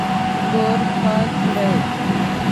کور پاک کړئ